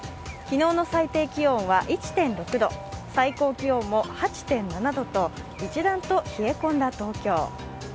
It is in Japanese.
昨日の最低気温は１．６度最高気温も８．７度と一段と冷え込んだ東京。